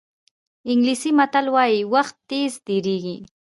انګلیسي متل وایي وخت تېز تېرېږي.